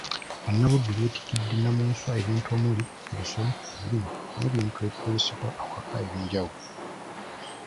Bannabuddu beetikkidde Nnamunswa ebintu omuli; ebisolo, ebirime n'ebintu ebikozesebwa awaka eby'enjawulo.